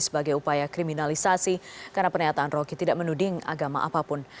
sebagai upaya kriminalisasi karena pernyataan roky tidak menuding agama apapun